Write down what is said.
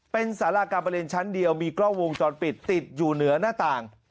เป็นสาราการประเรียนชั้นเดียวมีกล้องวงจรปิดติดอยู่เหนือหน้าต่าง